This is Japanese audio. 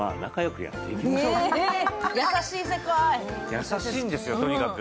優しいんですよ、とにかく。